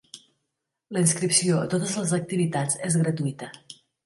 La inscripció a totes les activitats és gratuïta.